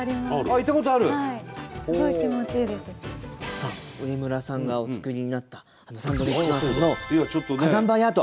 さあ植村さんがお作りになったサンドウィッチマンさんの火山灰アート。